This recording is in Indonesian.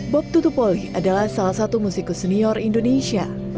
bob tutupoli adalah salah satu musikus senior indonesia